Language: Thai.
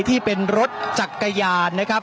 ที่เป็นรถจักรยานนะครับ